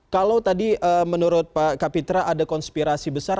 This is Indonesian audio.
kalau tadi menurut pak kapitra ada konspirasi besar